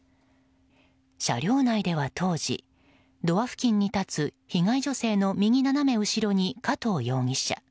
車両内では当時ドア付近に立つ被害女性の右斜め後ろに、加藤容疑者。